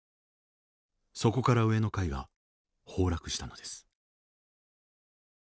そこから上の階は崩落したのです。